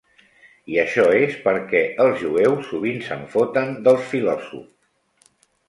I això és perquè els jueus sovint se'n foten dels filòsofs.